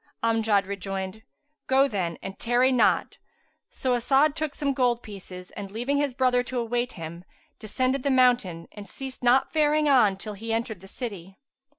Amjad rejoined, "Go then and tarry not. So As'ad took some gold pieces, and leaving his brother to await him, descended the mountain and ceased not faring on till he entered the city.